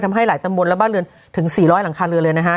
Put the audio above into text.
ทำให้หลายตำบลและบ้านเรือนถึง๔๐๐หลังคาเรือนเลยนะฮะ